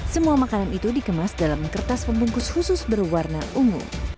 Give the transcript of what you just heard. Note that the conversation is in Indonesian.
semua makanan itu dikemas dalam kertas pembungkus khusus berwarna ungu